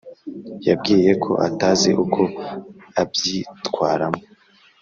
yambwiye ko atazi uko abyitwaramo